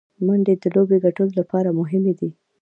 منډې د لوبي ګټلو له پاره مهمي دي.